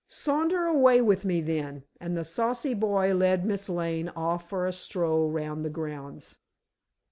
"Saunter away with me, then," and the saucy boy led Miss Lane off for a stroll round the grounds.